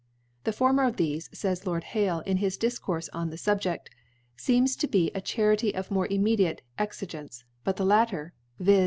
The former of thefe, fays Lord Haky in his Difcourfe on this Subjeft, * fcems to be * a Chari:y of more immediate Exigence; * but the latter (viz.